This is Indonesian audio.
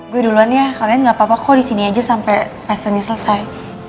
gue duluan ya kalian gapapa call disini aja sampe festenya selesai